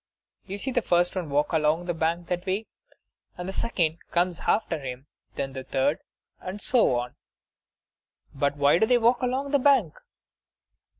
You see the first one walk along the bank that way, and the second comes after him, then the third, and so on. But why do they walk along the bank?